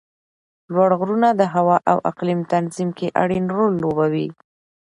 لوړ غرونه د هوا او اقلیم تنظیم کې اړین رول لوبوي